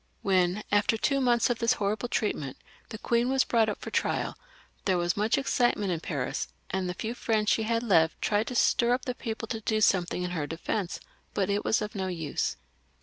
When, after two months of this horrible treatment, the queen was brought up for trial, there was much excitement in Paris, and the few friends she had left tried to stir up the people to do something in her defence, but it was of no use.